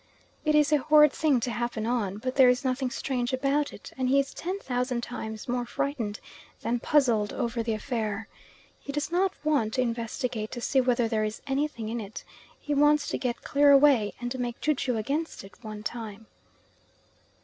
It is a horrid thing to happen on, but there is nothing strange about it, and he is ten thousand times more frightened than puzzled over the affair. He does not want to "investigate" to see whether there is anything in it. He wants to get clear away, and make ju ju against it, "one time."